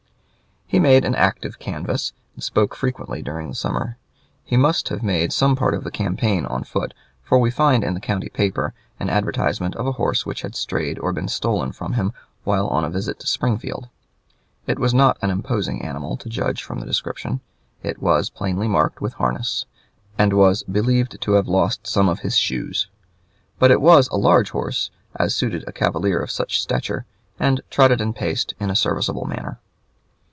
He made an active canvass, and spoke frequently during the summer. He must have made some part of the campaign on foot, for we find in the county paper an advertisement of a horse which had strayed or been stolen from him while on a visit to Springfield. It was not an imposing animal, to judge from the description; it was "plainly marked with harness," and was "believed to have lost some of his shoes"; but it was a large horse, as suited a cavalier of such stature, and "trotted and paced" in a serviceable manner.